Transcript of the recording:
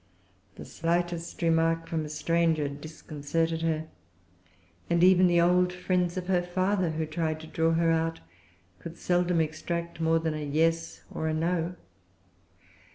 The slightest remark from a stranger disconcerted her; and even the old friends of her father who tried to draw her out could seldom extract more than a Yes or a No.